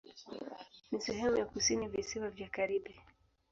Ni sehemu ya kusini Visiwa vya Karibi.